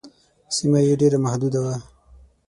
سیمه یې ډېره محدوده وه.